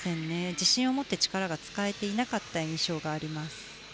自信を持って力が使えていなかった印象があります。